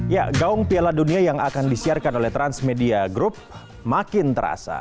ya gaung piala dunia yang akan disiarkan oleh transmedia group makin terasa